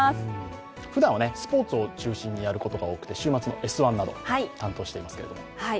ふだんはスポーツを中心にやることが多くて週末の「Ｓ☆１」などを担当しています。